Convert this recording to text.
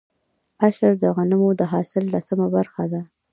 عشر د غنمو د حاصل لسمه برخه ده.